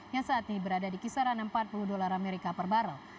yang saat ini berada di kisaran empat puluh dolar amerika per barrel